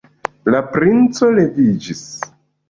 La princo leviĝis.